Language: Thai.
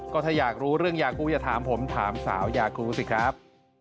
ก็ถ้าอยากรู้เรื่องยากูจะถามผมถามสาวยากูสิครับ